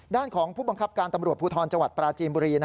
ด้านของผู้บังคับการตำรวจภูทธรณ์จปราจีนบรี